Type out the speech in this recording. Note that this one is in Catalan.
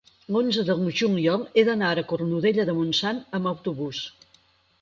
l'onze de juliol he d'anar a Cornudella de Montsant amb autobús.